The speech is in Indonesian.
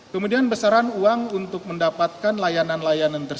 kemudian besaran uang untuk mendapatkan lancar